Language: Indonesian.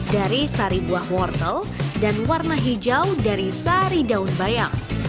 dari sari buah wortel dan warna hijau dari sari daun bayang